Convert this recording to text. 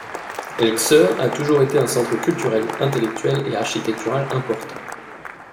El kseur a toujours été un centre culturel, intellectuel et architectural important.